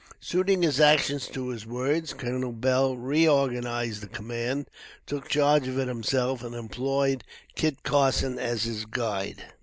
Suiting his actions to his words, Col. Beall reorganized the command, took charge of it himself, and employed Kit Carson as his guide.